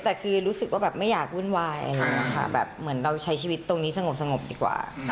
แต่คือรู้สึกว่าแบบไม่อยากวุ่นวายแบบเหมือนเราใช้ชีวิตตรงนี้สงบดีกว่า